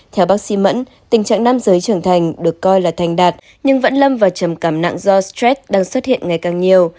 theo bác sĩ mẫn tình trạng nam giới trưởng thành được coi là thành đạt nhưng vẫn lâm và trầm cảm nặng do stress đang xuất hiện ngày càng nhiều